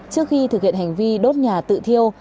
trước khi thực hiện hành vi đốt nhà tự thiêu